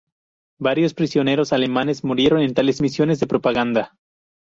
Varios pioneros alemanes murieron en tales misiones de propaganda.